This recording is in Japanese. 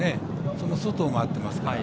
その外を回ってますから。